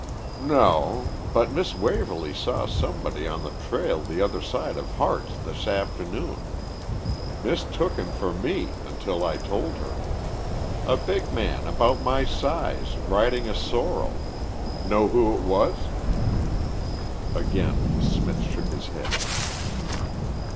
"No. But Miss Waverly saw somebody on the trail the other side of Harte's this afternoon. Mistook him for me until I told her. A big man about my size riding a sorrel. Know who it was?" Again Smith shook his head.